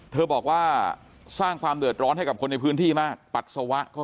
เธอบอกว่าสร้างความเดือดร้อนให้กับคนในพื้นที่มากปัสสาวะเขา